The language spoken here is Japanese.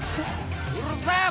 うるさいわ！